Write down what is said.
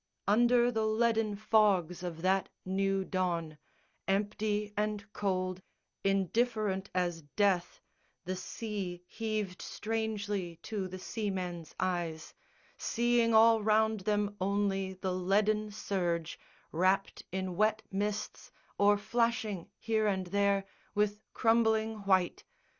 _ Under the leaden fogs of that new dawn, Empty and cold, indifferent as death, The sea heaved strangely to the seamen's eyes, Seeing all round them only the leaden surge Wrapped in wet mists or flashing here and there With crumbling white.